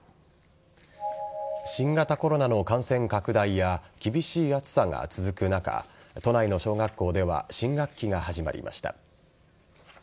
新型コロナの感染拡大や厳しい暑さが続く中都内の小学校では新学期が始まりました。